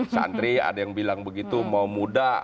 santri ada yang bilang begitu mau muda